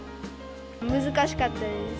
難しかったです。